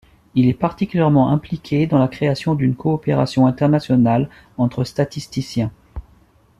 Il est particulièrement impliqué dans la création d'une coopération internationale entre statisticiens.